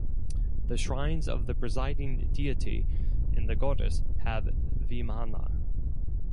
The shrines of the presiding deity and the goddess have vimana.